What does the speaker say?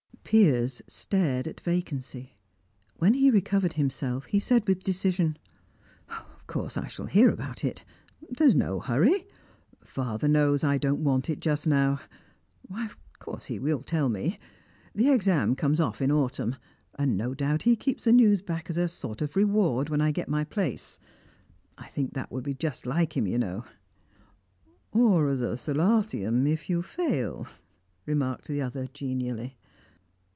Piers stared at vacancy. When he recovered himself he said with decision: "Of course I shall hear about it. There's no hurry. Father knows I don't want it just now. Why, of course he will tell me. The exam. comes off in autumn, and no doubt he keeps the news back as a sort of reward when I get my place. I think that would be just like him, you know." "Or as a solatium, if you fail," remarked the other genially.